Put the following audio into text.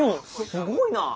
すごいなあ。